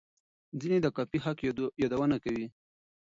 ځینې د کاپي حق یادونه کوي.